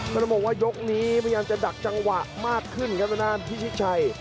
ต้องบอกว่ายกนี้พยายามจะดักจังหวะมากขึ้นครับทางด้านพิชิตชัย